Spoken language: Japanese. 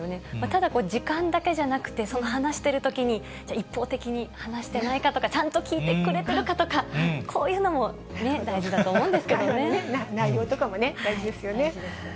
ただ時間だけじゃなくて、その話してるときに、一方的に話してないかとか、ちゃんと聞いてくれてるかとか、こういうのもね、内容とかもね、大事ですよね。